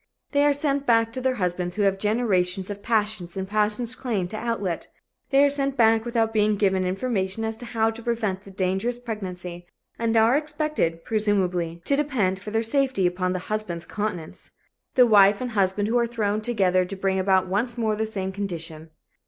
They are sent back to husbands who have generations of passion and passion's claim to outlet. They are sent back without being given information as to how to prevent the dangerous pregnancy and are expected, presumably, to depend for their safety upon the husband's continence. The wife and husband are thrown together to bring about once more the same condition.